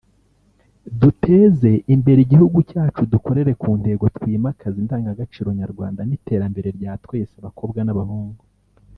duteze imbere igihugu cyacu dukorere ku ntego twimakaze indangagaciro nyarwanda n’iterambere rya twese Abakobwa n’abahungu